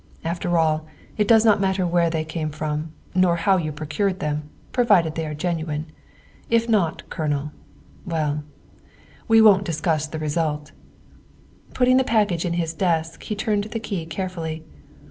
After all, it does not matter where they came from nor how you procured them, provided they are genuine. If not, Colonel well, we won't discuss the result." Putting the package in his desk, he turned the key carefully.